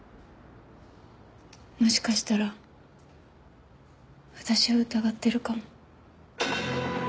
もしかしたら私を疑ってるかも。